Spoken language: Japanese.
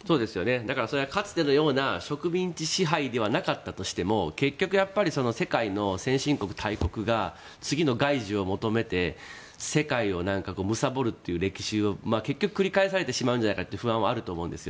やはりそれはかつてのような植民地支配ではなかったとしても結局やっぱり世界の先進国、大国が世界をむさぼるというそういう歴史を、結局は繰り返されてしまうんじゃないかという不安があると思います。